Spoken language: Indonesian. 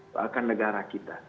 doakan negara kita